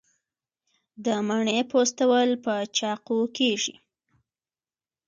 د مڼې پوستول په چاقو کیږي.